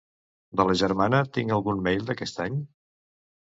De la germana tinc algun mail d'aquest any?